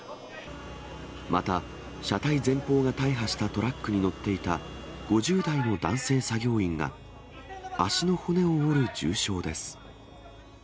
また、車体前方が大破したトラックに乗っていた５０代の男性作業員が足の骨を折る重傷です。